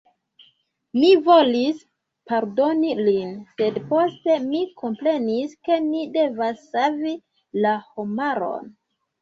Mi volis pardoni lin, sed poste mi komprenis ke ni devas savi la homaron.